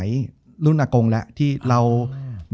จบการโรงแรมจบการโรงแรม